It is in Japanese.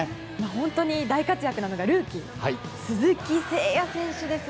本当に大活躍なのがルーキーの鈴木誠也選手です。